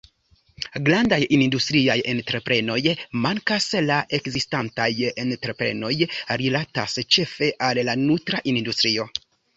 Grandaj industriaj entreprenoj mankas; la ekzistantaj entreprenoj rilatas ĉefe al la nutra industrio.